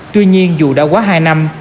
tuy nhiên dù đã quá hai năm